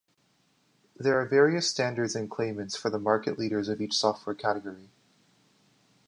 There are various standards and claimants for the market leaders of each software category.